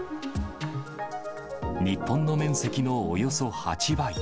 日本の面積のおよそ８倍。